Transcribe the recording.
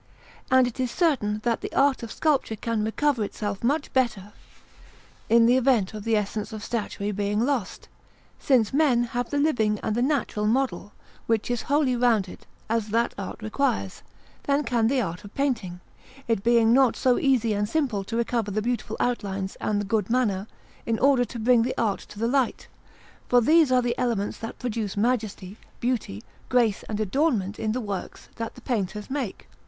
And it is certain that the art of sculpture can recover itself much better, in the event of the essence of statuary being lost (since men have the living and the natural model, which is wholly rounded, as that art requires), than can the art of painting; it being not so easy and simple to recover the beautiful outlines and the good manner, in order to bring the art to the light, for these are the elements that produce majesty, beauty, grace and adornment in the works that the painters make.